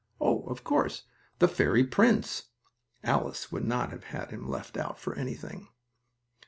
Oh, of course, the fairy prince. Alice would not have had him left out for anything.